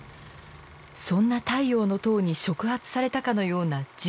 そんな太陽の塔に触発されたかのような事件が起きた。